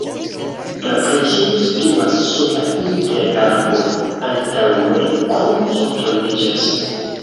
La preĝejo situas sola inter arboj, antaŭe kruco troviĝas.